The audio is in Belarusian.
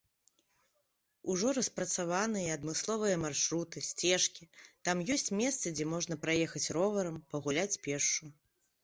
Ужо распрацаваныя адмысловыя маршруты, сцежкі, там ёсць месцы, дзе можна праехаць роварам, пагуляць пешшу.